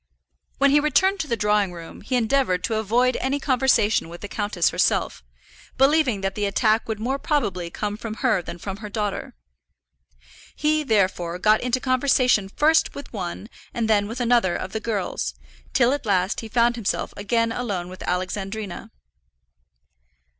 When he returned to the drawing room he endeavoured to avoid any conversation with the countess herself, believing that the attack would more probably come from her than from her daughter. He, therefore, got into conversation first with one and then with another of the girls, till at last he found himself again alone with Alexandrina.